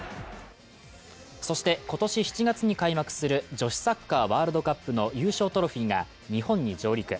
そして今年７月に開幕する女子サッカーワールドカップの優勝トロフィーが日本に上陸。